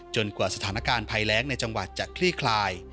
กว่าสถานการณ์ภัยแรงในจังหวัดจะคลี่คลาย